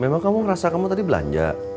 memang kamu ngerasa kamu tadi belanja